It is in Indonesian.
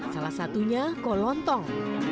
salah satunya kolontong